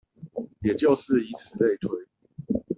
也就是以此類推